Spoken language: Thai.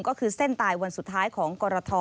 ก็คือเส้นตายวันสุดท้ายของกรท